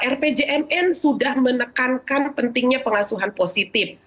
rpjmn sudah menekankan pentingnya pengasuhan positif